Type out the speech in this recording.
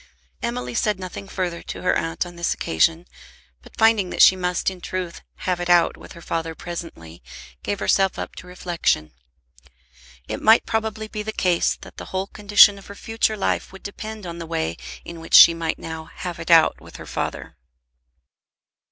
Emily said nothing further to her aunt on that occasion, but finding that she must in truth "have it out" with her father presently, gave herself up to reflection. It might probably be the case that the whole condition of her future life would depend on the way in which she might now "have it out" with her father.